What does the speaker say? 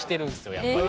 やっぱり。